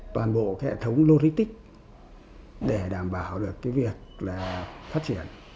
toàn bộ hệ thống lô rít tích để đảm bảo được việc phát triển